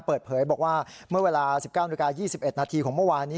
เปิดเผยบอกว่าเมื่อเวลา๑๙๒๑นของเมื่อวานนี้